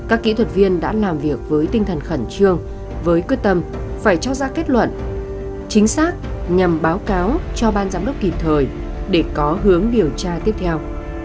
các kỹ thuật viên đã làm việc với tinh thần khẩn trương với quyết tâm phải cho ra kết luận chính xác nhằm báo cáo cho ban giám đốc kịp thời để có hướng điều tra tiếp theo